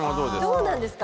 どうなんですか？